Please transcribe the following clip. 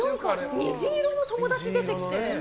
虹色の友達出てきて。